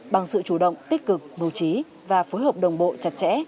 bằng sự chủ động tích cực mưu trí và phối hợp đồng bộ chặt chẽ